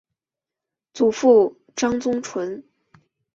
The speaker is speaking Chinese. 祖父张宗纯。